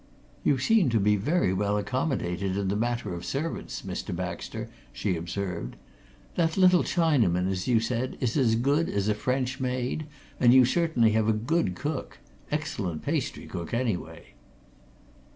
"You seem to be very well accommodated in the matter of servants, Mr. Baxter," she observed. "That little Chinaman, as you said, is as good as a French maid, and you certainly have a good cook excellent pastry cook, anyway."